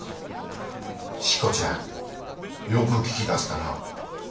しこちゃんよく聞き出せたな。